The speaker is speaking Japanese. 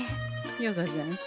ようござんす。